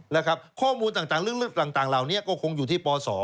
นะครับข้อมูลทั้งลึกต่างเหล่านี้ก็คงอยู่ที่ปศ